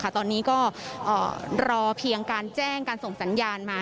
ตอนนี้ก็รอเพียงการแจ้งการส่งสัญญาณมา